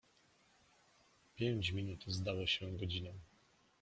Pięć minut zdało się godziną.